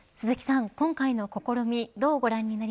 鈴木さん、今回の試み